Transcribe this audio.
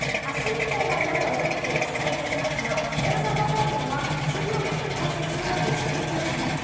明日以降は、ややお天気落ち着いてきますが大阪方面は今週水曜日、祝日ですね